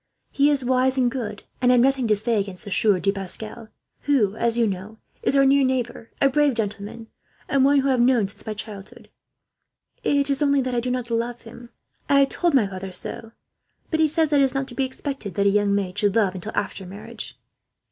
He is wise and good, and I have nothing to say against the Sieur de Pascal; who, as you know, is our near neighbour, a brave gentleman, and one whom I have known since my childhood. It is only that I do not love him. I have told my father so, but he says that it is not to be expected that a young maid should love, until after marriage."